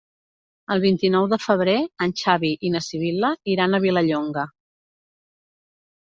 El vint-i-nou de febrer en Xavi i na Sibil·la iran a Vilallonga.